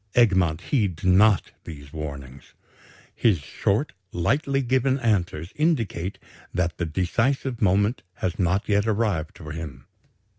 Egmont heeds not these warnings. His short, lightly given answers indicate that the decisive moment has not yet arrived for him.